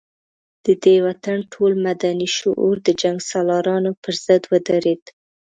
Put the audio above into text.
د دې وطن ټول مدني شعور د جنګ سالارانو پر ضد ودرېد.